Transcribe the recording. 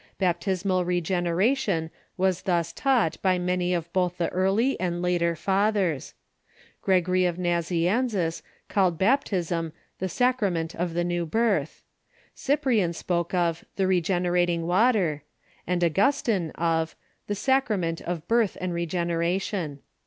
Baptismal regeneration Avas thus taught by many of both the early and later Fathers. Gregory of Nazianzus called baptism " the sacrament of the new birth ;" Cyprian spoke of the " re generating water," and Augustine of " the sacrament of birth THEOLOGY DURING THE EARLY PERIOD 67 and regeneration."